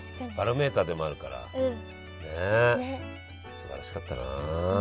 すばらしかったな。